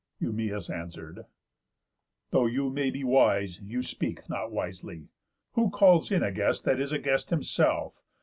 Eumæus answer'd: "Though you may be wise, You speak not wisely. Who calls in a guest That is a guest himself?